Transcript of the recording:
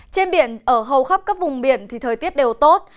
trên biển ở hầu khắp các vùng biển thì thời tiết đều tốt